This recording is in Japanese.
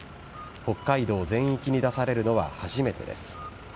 北海道全域に出されるのは初めてです。